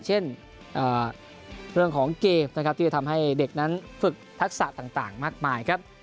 เช่นเรื่องของเกมนะครับที่จะทำให้เด็กนั้นฝึกทักษะต่างมากมายครับ